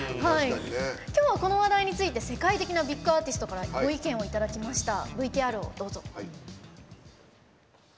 今日は、この話題について世界的なビッグアーティストからご意見をいただきました。